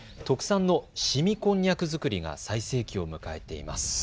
特産のしみこんにゃく作りが最盛期を迎えています。